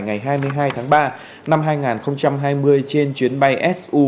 ngày hai mươi hai tháng ba năm hai nghìn hai mươi trên chuyến bay su hai trăm chín mươi